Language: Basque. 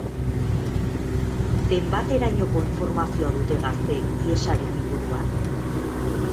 Zenbaterainoko informazioa dute gazteek hiesaren inguruan?